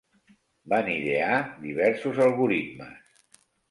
Van idear diversos algoritmes.